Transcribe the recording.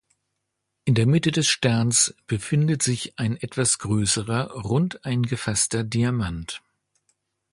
In der Mitte des Sterns befindet sich ein etwas größerer rund eingefasster Diamant.